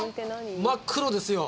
真っ黒ですよ